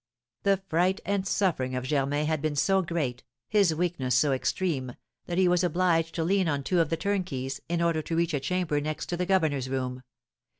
The fright and suffering of Germain had been so great, his weakness so extreme, that he was obliged to lean on two of the turnkeys, in order to reach a chamber next to the governor's room.